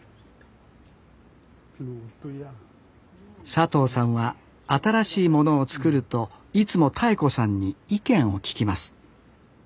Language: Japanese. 佐藤さんは新しいものを作るといつもたえ子さんに意見を聞きます。